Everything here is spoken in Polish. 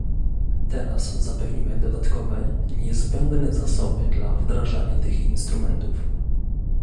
Teraz zapewnimy dodatkowe, niezbędne zasoby dla wdrażania tych instrumentów